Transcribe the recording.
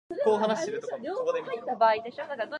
The Tome of Power artifact made a return from "Heretic".